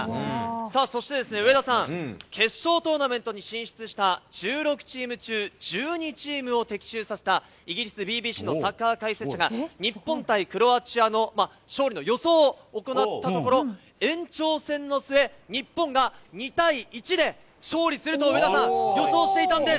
さあ、そして上田さん、決勝トーナメントに進出した１６チーム中１２チームを的中させた、イギリスＢＢＣのサッカー解説者が日本対クロアチアの勝利の予想を行ったところ、延長戦の末、日本が２対１で勝利すると、上田さん、予想していたんです。